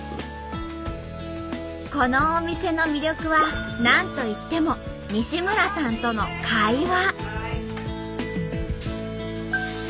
このお店の魅力は何といっても西村さんとの会話。